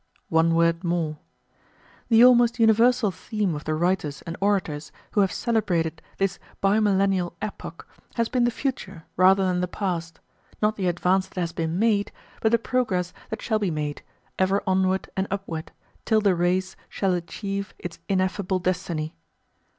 One word more. The almost universal theme of the writers and orators who have celebrated this bimillennial epoch has been the future rather than the past, not the advance that has been made, but the progress that shall be made, ever onward and upward, till the race shall achieve its ineffable destiny.